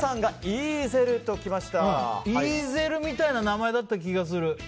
イーゼルみたいな名前だった気がする。